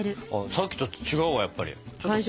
さっきと違うわやっぱり。